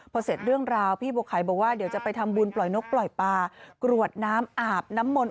พอเสร็จเรื่องราวพี่บัวไข่บอกว่าเดี๋ยวจะไปทำบุญปล่อยนกปล่อยปลากรวดน้ำอาบน้ำมนต